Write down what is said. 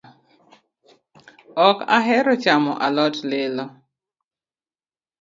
Ok ahero chamo alot lilo